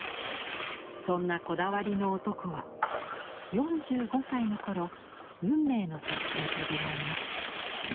そんなこだわりの男は４５歳の頃運命の作品と出会います。